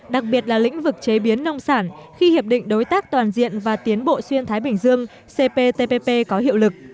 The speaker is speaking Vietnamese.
đặc biệt là lĩnh vực chế biến nông sản khi hiệp định đối tác toàn diện và tiến bộ xuyên thái bình dương cptpp có hiệu lực